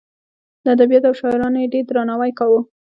د ادبیاتو او شاعرانو یې ډېر درناوی کاوه.